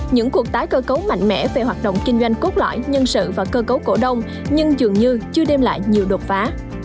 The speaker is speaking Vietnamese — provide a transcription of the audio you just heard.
những cuộc tái cơ cấu mạnh mẽ về hoạt động kinh doanh cốt lõi nhân sự và cơ cấu cổ đông nhưng dường như chưa đem lại nhiều đột phá